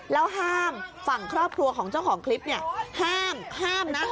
แล้วห้ามฝั่งครอบครัวของเจ้าของคลิปเนี่ยห้ามนะ